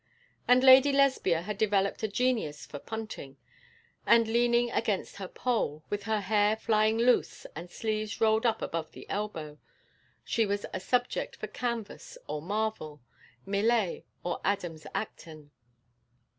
And Lady Lesbia had developed a genius for punting; and leaning against her pole, with her hair flying loose and sleeves rolled up above the elbow, she was a subject for canvas or marble, Millais or Adams Acton.